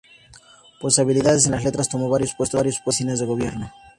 Por sus habilidades en las letras, tomó varios puestos en oficinas de gobierno.